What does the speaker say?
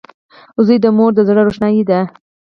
• زوی د مور د زړۀ روښنایي وي.